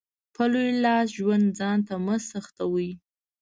په لوی لاس ژوند ځانته مه سخوئ.